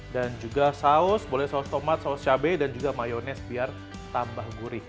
dan juga saus boleh saus tomat saus cabai dan juga mayonis biar tambah gurih